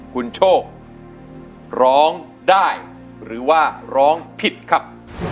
คุณโชคร้องได้หรือว่าร้องผิดครับ